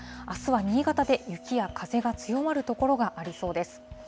あすは新潟で雪や風が強まる所がありそうです。